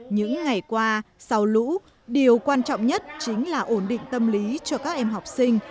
những ngày qua sau lũ điều quan trọng nhất chính là ổn định tâm lý cho các em học sinh